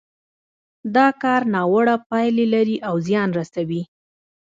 دا کار ناوړه پايلې لري او زيان رسوي.